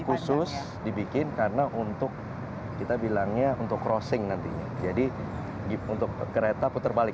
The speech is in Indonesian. khusus dibikin karena untuk kita bilangnya untuk crossing nantinya jadi untuk kereta putar balik